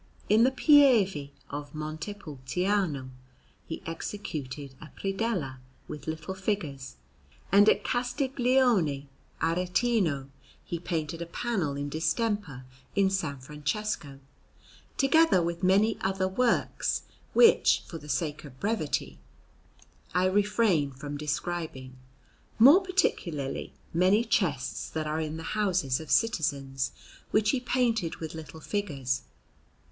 In the Pieve of Montepulciano he executed a predella with little figures, and at Castiglione Aretino he painted a panel in distemper in S. Francesco; together with many other works, which, for the sake of brevity, I refrain from describing, more particularly many chests that are in the houses of citizens, which he painted with little figures.